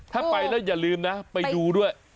ถ้าไปแล้วอย่าลืมนะไปดูด้วย